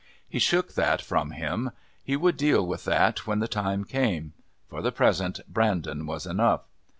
He shook that from him. He would deal with that when the time came. For the present Brandon was enough....